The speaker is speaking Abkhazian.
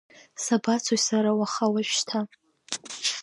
Сабацои сара уаха уажәшьҭа?!